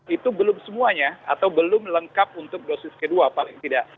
itu belum semuanya atau belum lengkap untuk dosis kedua paling tidak